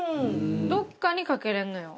どこかにかけれるのよ。